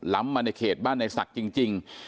มาในเขตบ้านในศักดิ์จริง